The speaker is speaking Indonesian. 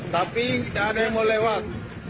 tapi tidak ada yang mau lewat